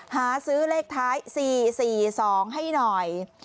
หาซื้อเลขท้าย๔๔๒ให้หน่อย